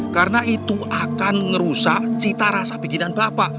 karena itu akan ngerusak cita rasa pikiran bapak